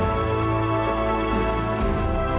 jadi biar bagaimana cangkirnya tadi